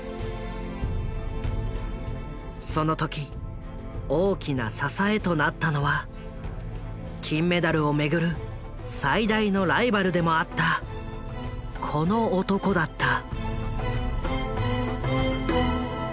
その時大きな支えとなったのは金メダルをめぐる最大のライバルでもあったこの男だった。